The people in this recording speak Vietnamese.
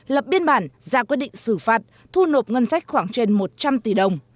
lập biên bản ra quyết định xử phạt thu nộp ngân sách khoảng trên một trăm linh tỷ đồng